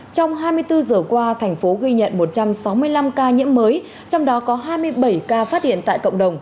trong hai mươi bốn giờ qua thành phố ghi nhận một trăm sáu mươi năm ca nhiễm mới trong đó có hai mươi bảy ca phát hiện tại cộng đồng